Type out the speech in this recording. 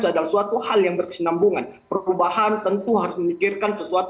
adalah suatu hal yang berkesenambungan perubahan tentu harus memikirkan sesuatu